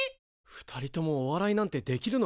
２人ともお笑いなんてできるのか？